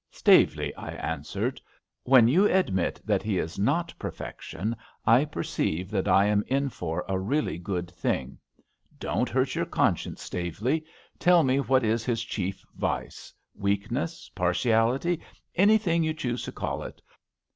Staveley," I answered, when you admit that he is not perfection I perceive that I am in for a really Good Thing. Don't hurt your conscience, Staveley. Tell me what is his chief vice — ^weak ness, partiality — anything you choose to call it.